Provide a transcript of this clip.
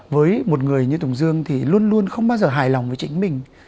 với một người như tùng dương thì luôn luôn không bao giờ hài lòng với chính mình